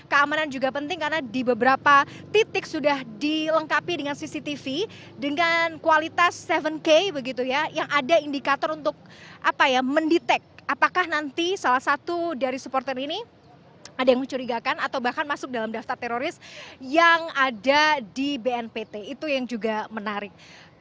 keamanan juga penting karena di beberapa titik sudah dilengkapi dengan cctv dengan kualitas tujuh k begitu ya yang ada indikator untuk apa ya mendetek apakah nanti salah satu dari supporter ini ada yang mencurigakan atau bahkan masuk dalam daftar teroris yang ada di bnpt itu yang juga menarik